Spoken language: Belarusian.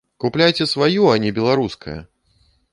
Купляйце сваё, а не беларускае!